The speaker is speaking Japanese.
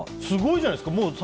すごいじゃないですか。